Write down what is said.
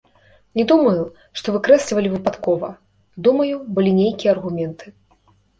Не думаю, што выкрэслівалі выпадкова, думаю, былі нейкія аргументы.